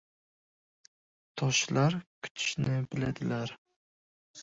Toshlar kutishni biladilar.